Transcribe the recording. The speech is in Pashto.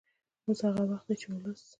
اوس هغه وخت دی چې ولس